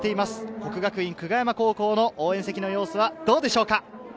國學院久我山高校の応援席の様子はどうでしょうか？